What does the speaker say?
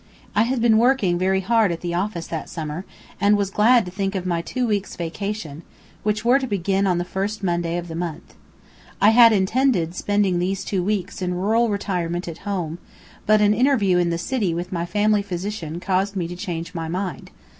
I had been working very hard at the office that summer, and was glad to think of my two weeks' vacation, which were to begin on the first Monday of the month. I had intended spending these two weeks in rural retirement at home, but an interview in the city with my family physician caused me to change my mind.